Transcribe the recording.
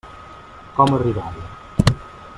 Com arribar-hi.